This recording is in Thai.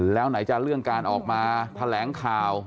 แล้วไหนจะเรื่องการออกมาแถลงข่าว